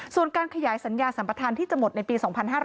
ส่วนการขยายสัญญาสัมปทานที่จะหมดในปี๒๕๕๙